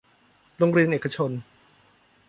โรงเรียนเอกชน